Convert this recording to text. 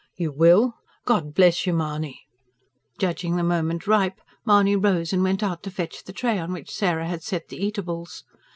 "You will? ... God bless you, Mahony!" Judging the moment ripe, Mahony rose and went out to fetch the tray on which Sarah had set the eatables.